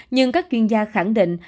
nhưng các chuyên gia khẳng định